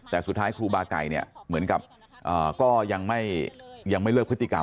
แต่สุดท้ายครูบาไก่เนี่ยเหมือนกับก็ยังไม่เลิกพฤติกรรม